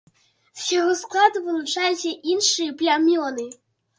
З яго складу вылучаліся іншыя плямёны.